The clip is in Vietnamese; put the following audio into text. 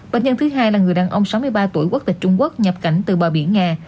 bệnh nhân thứ hai là người đàn ông sáu mươi ba tuổi quốc tịch trung quốc nhập cảnh từ bờ biển nga